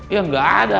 ya gak ada